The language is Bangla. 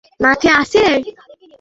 গুনা কি এখনো মাঠে আছে?